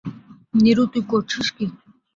নীরু, তুই করছিস কী!